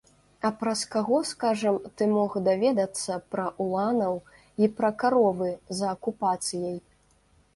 А праз каго, скажам, ты мог даведацца пра уланаў і пра каровы за акупацыяй?